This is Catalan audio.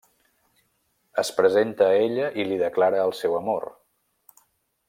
Es presenta a ella i li declara el seu amor.